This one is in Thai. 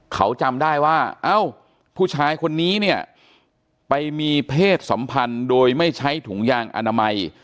เขาจำได้ว่าเอ้าผู้ชายคนนี้เนี่ยไปมีเพศสัมพันธ์โดยไม่ใช้ถุงยางอนามัย